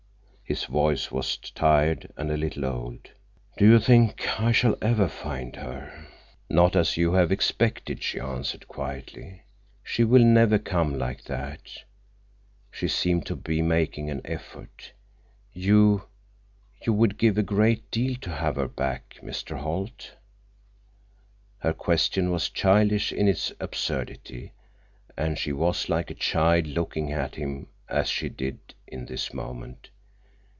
His voice was tired and a little old. "Do you think I shall ever find her?" "Not as you have expected," she answered quietly. "She will never come like that." She seemed to be making an effort. "You—you would give a great deal to have her back, Mr. Holt?" Her question was childish in its absurdity, and she was like a child looking at him as she did in this moment.